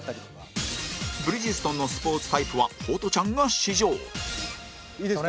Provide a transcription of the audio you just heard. ブリヂストンのスポーツタイプはホトちゃんが試乗いいですか？